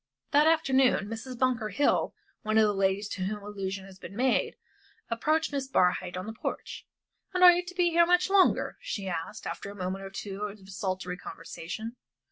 That afternoon Mrs. Bunker Hill one of the ladies to whom allusion has been made approached Miss Barhyte on the porch. "And are you to be here much longer?" she asked, after a moment or two of desultory conversation.